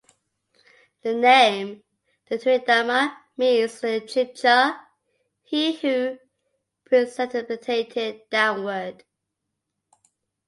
The name "Tequendama" means in Chibcha: "he who precipitated downward".